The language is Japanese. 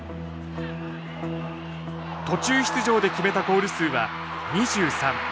途中出場で決めたゴール数は２３。